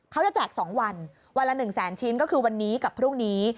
แจก๒วันวันละ๑แสนชิ้นก็คือวันนี้กับพรุ่งนี้